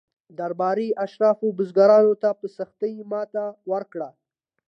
درباري اشرافو بزګرانو ته په سختۍ ماته ورکړه.